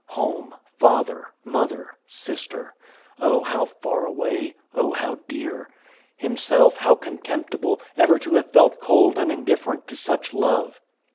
Home, father, mother, sister, oh, how far away; oh, how dear! Himself, how contemptible, ever to have felt cold and indifferent to such love!